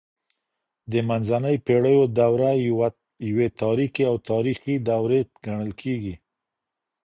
د منځنۍ پیړیو دوره یوې تاريکي او تاریخي دورې ګڼل کیږي.